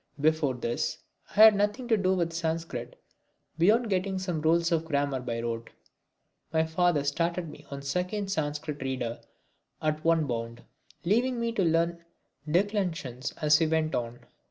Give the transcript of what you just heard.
Before this I had nothing to do with Sanskrit beyond getting some rules of grammar by rote. My father started me on the second Sanskrit reader at one bound, leaving me to learn the declensions as we went on.